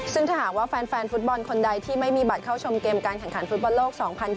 ซึ่งถ้าหากว่าแฟนฟุตบอลคนใดที่ไม่มีบัตรเข้าชมเกมการแข่งขันฟุตบอลโลก๒๐๒๐